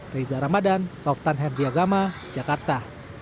reza ramadan softan herdiagama jakarta